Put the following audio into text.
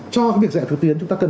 cho việc dạy trực tuyến chúng ta cần